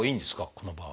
この場合。